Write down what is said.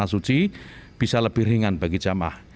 tanah suci bisa lebih ringan bagi jemaah